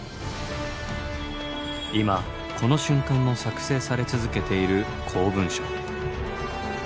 今この瞬間も作成され続けている公文書。